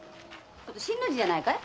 新の字じゃないかい？